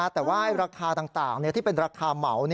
แต่ว่าราคาต่างที่เป็นราคาเหมา